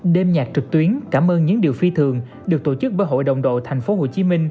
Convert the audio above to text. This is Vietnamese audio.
đêm nhạc trực tuyến cảm ơn những điều phi thường được tổ chức bởi hội đồng đội tp hcm